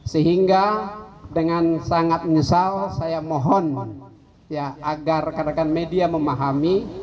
sehingga dengan sangat menyesal saya mohon agar rekan rekan media memahami